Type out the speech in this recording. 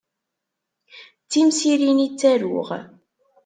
D timsirin i ttaruɣ.